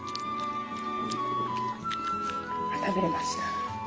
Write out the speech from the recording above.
食べれました。